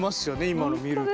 今の見ると。